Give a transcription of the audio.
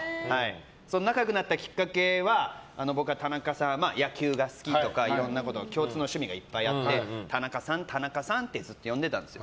仲良くなったきっかけは田中さんが野球が好きとか、いろんなことで共通の趣味がいっぱいあって田中さん、田中さんってずっと呼んでいたんですよ。